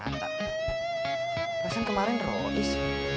nata rasanya kemarin royis